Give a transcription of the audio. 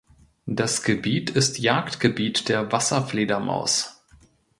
Das Gebiet ist Jagdgebiet der Wasserfledermaus.